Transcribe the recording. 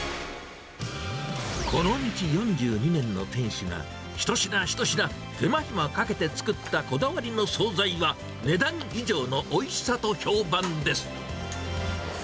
この道４２年の店主が一品一品、手間暇かけて作ったこだわりの総菜は、値段以上のおいしさと評判です。